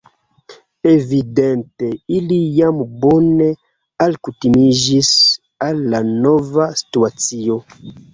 Evidente ili jam bone alkutimiĝis al la nova situacio.